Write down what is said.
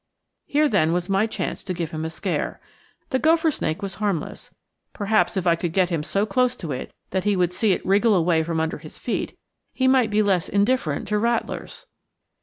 Here, then, was my chance to give him a scare. The gopher snake was harmless; perhaps, if I could get him so close to it that he would see it wriggle away from under his feet, he might be less indifferent to rattlers.